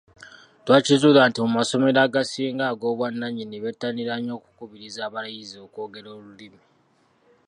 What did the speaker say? Twakizuula nti mu masomero agasinga ag’obwannannyini bettanira nnyo okukubiriza abayizi okwogera Olulimi.